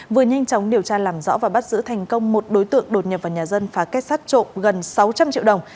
vừa nhanh chóng điều tra làm rõ và bắt giữ thành công một đối tượng đột nhập vào nhà dân phá kết sát trộm gần sáu trăm linh triệu đồng